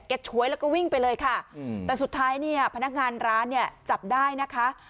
ฉวยแล้วก็วิ่งไปเลยค่ะแต่สุดท้ายเนี่ยพนักงานร้านเนี่ยจับได้นะคะ